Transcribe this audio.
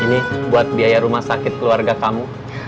ini buat biaya rumah sakit keluarga kamu